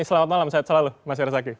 selamat malam selalu mas yerzaki